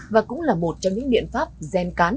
và cũng là một trong những biện pháp gen cán